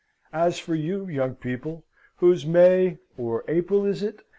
As for you, young people, whose May (or April, is it?)